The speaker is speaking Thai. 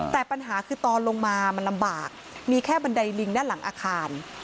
แต่ปัญหาคือตอนลงมามันลำบากมีแค่บันไดลิงด้านหลังอาคาร